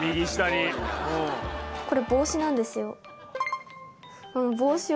これ帽子なんですよ。